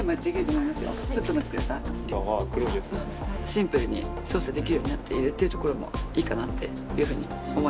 シンプルに操作できるようになっているっていうところもいいかなっていうふうに思いました。